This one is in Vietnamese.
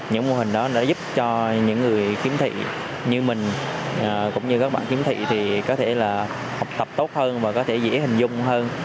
những mô hình đó đã giúp cho những người kiếm thị như mình cũng như các bạn kiếm thị có thể học tập tốt hơn và có thể dễ hình dung